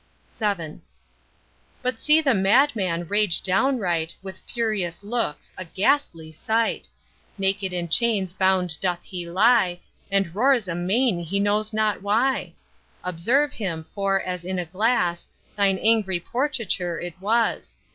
VII. But see the madman rage downright With furious looks, a ghastly sight. Naked in chains bound doth he lie, And roars amain he knows not why! Observe him; for as in a glass, Thine angry portraiture it was.